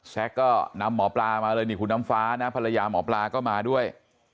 ก็นำหมอปลามาเลยนี่คุณน้ำฟ้านะภรรยาหมอปลาก็มาด้วย